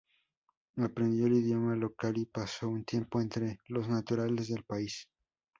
Aprendió el idioma local y pasó un tiempo entre los naturales del país.